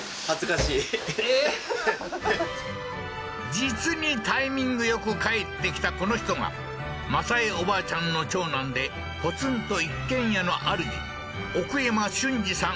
実にタイミングよく帰ってきたこの人が政恵おばあちゃんの長男でポツンと一軒家のあるじ奥山俊二さん